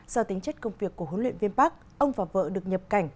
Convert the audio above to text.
do tính chất công việc của huấn luyện viên park ông và vợ được nhập cảnh